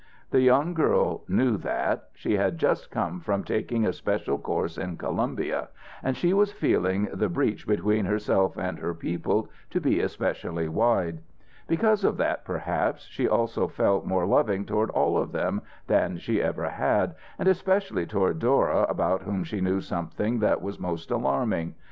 The young girl knew that. She had just come from taking a special course in Columbia, and she was feeling the breach between herself and her people to be especially wide. Because of that, perhaps, she also felt more loving toward all of them than she ever had, and especially toward Dora about whom she knew something that was most alarming.